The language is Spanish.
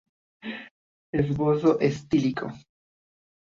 Esbozo estilístico".